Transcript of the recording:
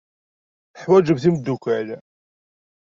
Teḥwajemt imeddukal.